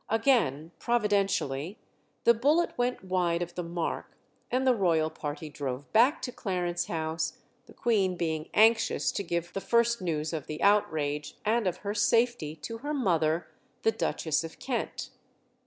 Again, providentially, the bullet went wide of the mark, and the royal party drove back to Clarence House, the Queen being anxious to give the first news of the outrage and of her safety to her mother, the Duchess of Kent.